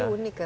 ini unik ya